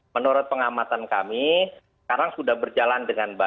menurut pengamatan kami sekarang sudah berjalan dengan baik